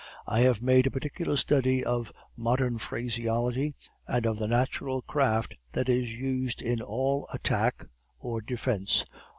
I have made a particular study of modern phraseology, and of the natural craft that is used in all attack or defence.